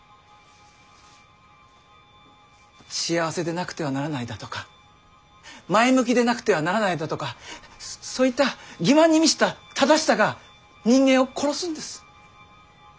幸せでなくてはならないだとか前向きでなくてはならないだとかそういった欺瞞に満ちた正しさが人間を殺すんです。